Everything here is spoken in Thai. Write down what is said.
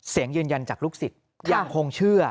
เสียงยืนยันจากลูกศิษย์ยังคงเชื่อ